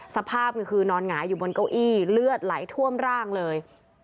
สภาพคือนอนหงายอยู่บนเก้าอี้เลือดไหลท่วมร่างเลย